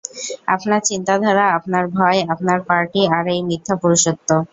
আপনার চিন্তাধারা, আপনার ভয় আপনার পার্টি, আর এই মিথ্যা পুরুষত্ব।